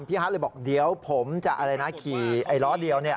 พี่ฮาร์ดเลยบอกเดี๋ยวผมจะอะไรนะขี่ร้อเดียวเนี่ย